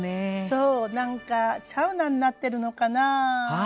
そうなんかサウナになってるのかな？